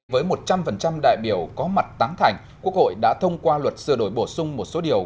với một trăm linh đại biểu có mặt tăng thành quốc hội đã thông qua luật sửa đổi bổ sung một số điều